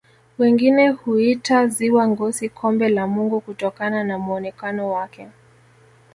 wengine huliita ziwa ngosi kombe la mungu kutokana na muonekano wake